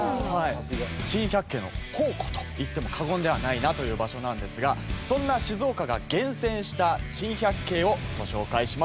珍百景の宝庫と言っても過言ではないなという場所なんですがそんな静岡が厳選した珍百景をご紹介します。